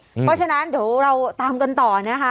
เพราะฉะนั้นเดี๋ยวเราตามกันต่อนะคะ